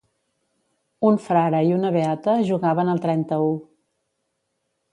Un frare i una beata jugaven al trenta-u.